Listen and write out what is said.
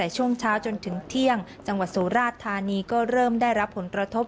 ช่วงเช้าจนถึงเที่ยงจังหวัดสุราชธานีก็เริ่มได้รับผลกระทบ